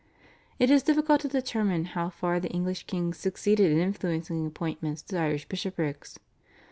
It is difficult to determine how far the English kings succeeded in influencing appointments to Irish bishoprics.